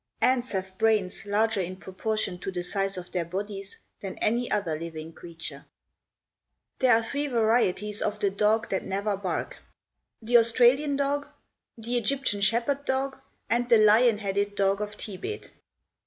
Ants have brains larger in proportion to the size of their bodies than any other living creature. There are three varieties of the dog that never bark the Australian dog, the Egyptian shepherd dog and the "lion headed" dog of Tibet.